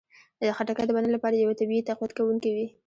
خټکی د بدن لپاره یو طبیعي تقویت کوونکی دی.